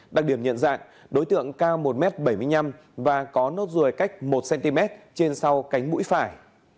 đặc điểm nhận dạng đối tượng cao một m bảy mươi năm và có nốt ruồi cách một cm trên sau cánh mũi phải